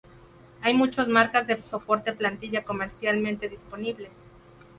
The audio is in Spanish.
Hay muchos marcas de "soporte-plantilla" comercialmente disponibles.